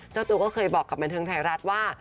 เจ้าตูบบอกกับบรรเทิงไทยรัฐว่า